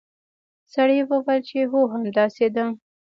سړي وویل چې هو همداسې ده.